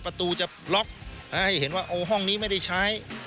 ประตูจะล็อกให้เห็นว่าโอ้ห้องนี้ไม่ได้ใช้